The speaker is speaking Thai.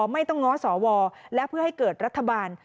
ไม่ต้องง้อสวและเพื่อให้เกิดรัฐบาล